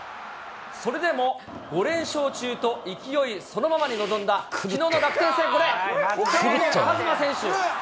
それでも５連勝中と勢いそのままに臨んだきのうの楽天戦、これ、岡本和真選手。